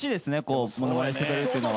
ものまねしてくれるというのは。